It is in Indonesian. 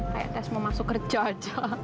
kayak tes mau masuk kerja aja